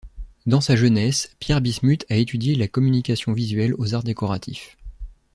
Dans sa jeunesse, Pierre Bismuth a étudié la communication visuelle aux Arts Décoratifs.